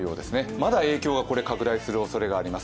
まだ影響が拡大するおそれがあります。